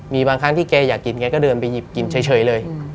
มีบางครั้งที่แกอยากกินแกก็เดินไปหยิบกินเฉยเลย